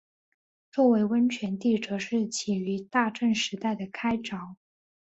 作为温泉地则是起于大正时代的开凿。